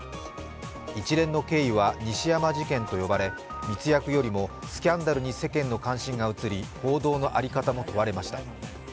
一連の経緯は西山事件と呼ばれ、密約よりもスキャンダルに世間の関心が移り報道の在り方も問われました。